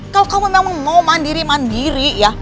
kalau kamu memang mau mandiri mandiri ya